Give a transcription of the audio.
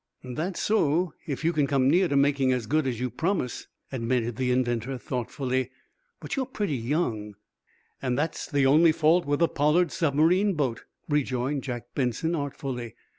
"That's so, if you can come near to making as good as you promise," admitted the inventor, thoughtfully. "But you're pretty young." "And that's the only fault with the Pollard submarine boat," rejoined Jack Benson, artfully.